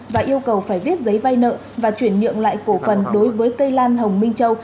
và yêu cầu phải viết giấy vay nợ và chuyển nhượng lại cổ phần đối với cây lan hồng minh châu